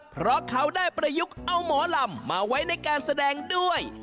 เพราะเขาได้ประยุกต์เอาหมอลำมาไว้ในการแสดงด้วย